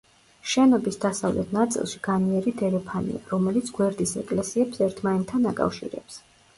შენობის დასავლეთ ნაწილში განიერი დერეფანია, რომელიც გვერდის ეკლესიებს ერთმანეთთან აკავშირებს.